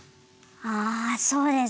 ああそうですね。